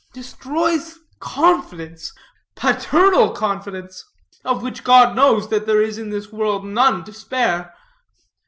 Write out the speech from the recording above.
Destroys confidence, paternal confidence, of which God knows that there is in this world none to spare.